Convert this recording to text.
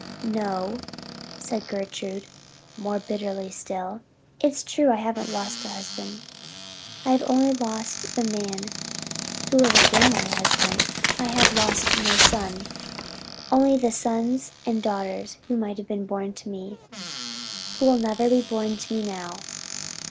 "'No,' said Gertrude, more bitterly still. 'It's true I haven't lost a husband I have only lost the man who would have been my husband. I have lost no son only the sons and daughters who might have been born to me who will never be born to me now.'